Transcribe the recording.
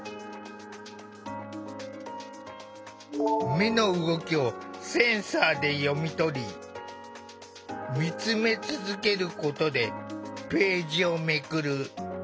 目の動きをセンサーで読み取り見つめ続けることでページをめくる。